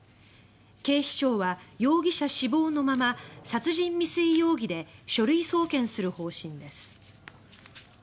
警視庁は容疑者死亡のまま殺人未遂容疑で書類送検する方針です。